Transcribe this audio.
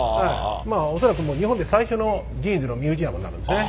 恐らく日本で最初のジーンズのミュージアムになるんですね。